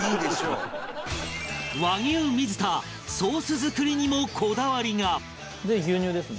和牛水田ソース作りにもこだわりがで牛乳ですね。